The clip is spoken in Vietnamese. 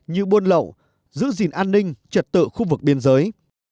như buôn lậu giữ gìn an ninh trật tự khu vực biên giới